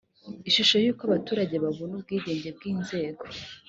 ishusho y’uko abaturage babona ubwigenge bw’inzego